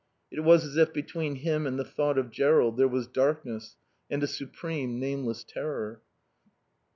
It was as if between him and the thought of Jerrold there was darkness and a supreme, nameless terror.